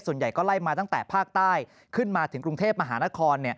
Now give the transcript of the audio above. ส่วนใหญ่ก็ไล่มาตั้งแต่ภาคใต้ขึ้นมาถึงกรุงเทพมหานคร